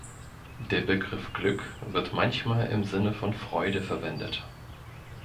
Der Begriff Glück wird manchmal im Sinne von Freude verwendet.